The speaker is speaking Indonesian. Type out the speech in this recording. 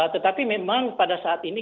tetapi memang pada saat ini